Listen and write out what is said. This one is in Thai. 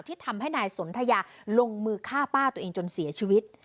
ที่ทำให้นายสนทยาลงมือฆ่าป้าตัวเองจนเสียชีวิต